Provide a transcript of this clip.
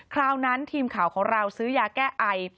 คราวนั้นทีมข่าวของเราซื้อยาแก้ไอ